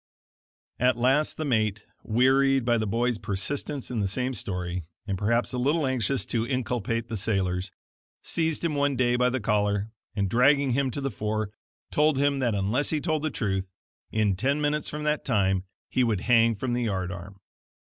At last the mate, wearied by the boy's persistence in the same story, and perhaps a little anxious to inculpate the sailors, seized him one day by the collar, and dragging him to the fore, told him that unless he told the truth, in ten minutes from that time he would hang from the yard arm.